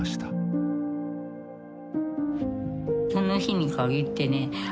その日にかぎってね